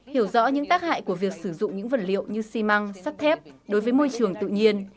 hiểu rõ những tác hại của việc sử dụng những vật liệu như xi măng sắt thép đối với môi trường tự nhiên